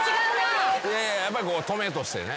やっぱり止めとしてね。